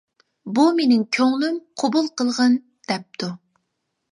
بۇ مېنىڭ كۆڭلۈم، قوبۇل قىلغىن، دەپتۇ.